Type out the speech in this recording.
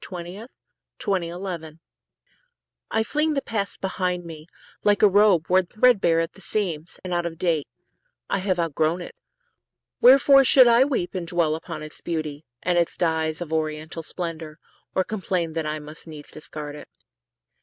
Ella Wheeler Wilcox The Past I FLING the past behind me, like a robe Worn threadbare at the seams, and out of date. I have outgrown it. Wherefore should I weep And dwell upon its beauty, and its dyes Of oriental splendor, or complain That I must needs discard it?